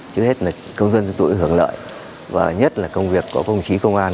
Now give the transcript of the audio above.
trước hết là công dân tuổi hưởng lợi và nhất là công việc có công trí công an